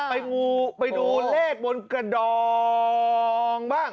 งูไปดูเลขบนกระดองบ้าง